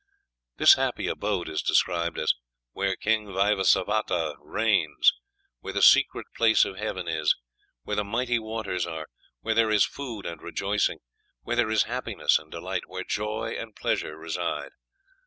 This happy abode is described as "where King Vaivasvata reigns; where the secret place of heaven is; where the mighty waters are ... where there is food and rejoicing ... where there is happiness and delight; where joy and pleasure reside."